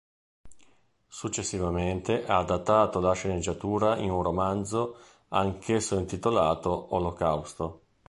Successivamente ha adattato la sceneggiatura in un romanzo anch'esso intitolato "Olocausto".